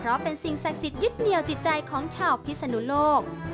เพราะเป็นสิ่งศักดิ์สิทธิยึดเหนียวจิตใจของชาวพิศนุโลก